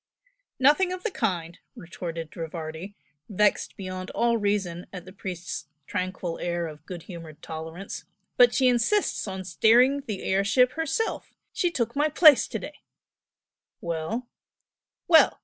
"Nothing of the kind" retorted Rivardi; vexed beyond all reason at the priest's tranquil air of good humored tolerance "But she insists on steering the air ship herself! She took my place to day." "Well?" "Well!